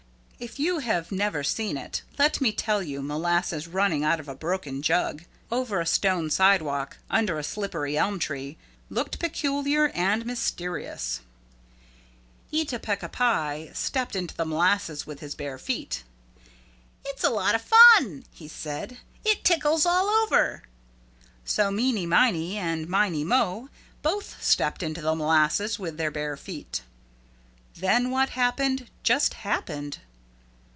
If you have never seen it, let me tell you molasses running out of a broken jug, over a stone sidewalk under a slippery elm tree, looks peculiar and mysterious. [Illustration: They stepped into the molasses with their bare feet] Eeta Peeca Pie stepped into the molasses with his bare feet. "It's a lotta fun," he said. "It tickles all over." So Meeney Miney and Miney Mo both stepped into the molasses with their bare feet. Then what happened just happened.